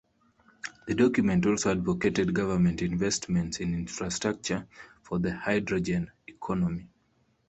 The document also advocated government investments in infrastructure for the hydrogen economy.